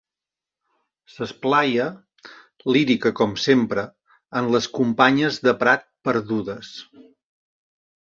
S'esplaia, lírica com sempre, en les companyes de prat perdudes.